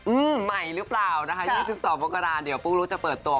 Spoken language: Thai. อืมใหม่หรือเปล่านะคะ๒๒มกราณเดี๋ยวปุ๊กรุ๊กจะเปิดตัว